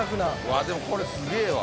わあでもこれすげぇわ。